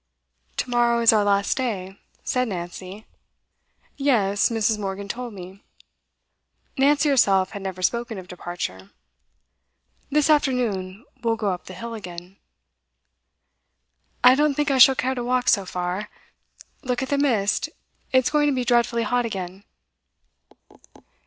'To morrow is our last day,' said Nancy. 'Yes, Mrs. Morgan told me.' Nancy herself had never spoken of departure. 'This afternoon we'll go up the hill again.' 'I don't think I shall care to walk so far. Look at the mist; it's going to be dreadfully hot again.